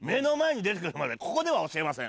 ここでは教えません。